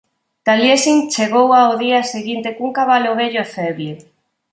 Taliesin chegou ao día seguinte cun cabalo vello e feble.